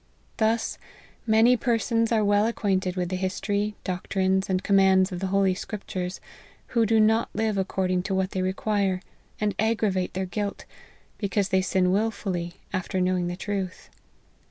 Thus, many persons are well acquainted with the history, doctrines, and commands of the holy scriptures, who do not live according to what they require, and aggravate their guilt, because they sin wilfully, after knowing the truth.